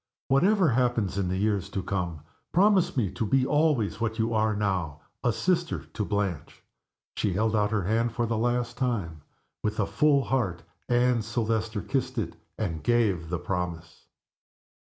Whatever happens in years to come promise me to be always, what you are now, a sister to Blanche." She held out her hand for the last time. With a full heart Anne Silvester kissed it, and gave the promise.